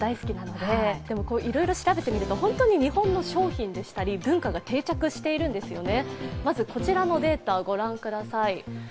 でもいろいろ調べてみると本当に日本の商品でしたり文化が定着しているんですよね。